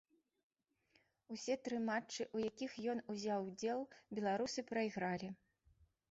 Усе тры матчы, у якіх ён узяў удзел, беларусы прайгралі.